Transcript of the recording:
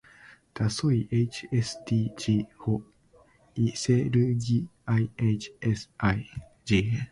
だそい ｈｓｄｇ ほ；いせるぎ ｌｈｓｇ